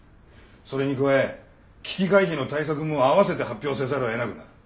それに加え危機回避の対策も併せて発表せざるをえなくなる。